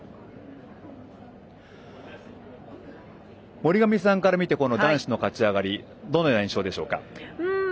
森上さんから見て男子の勝ち上がりどのような印象でしょうか？